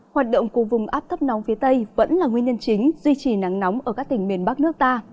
hoạt động của vùng áp thấp nóng phía tây vẫn là nguyên nhân chính duy trì nắng nóng ở các tỉnh miền bắc nước ta